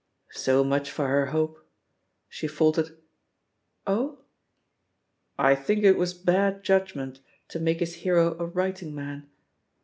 So much for her hope! She faltered, "Oh?" "I think it was bad judgment to make his hero a writing man.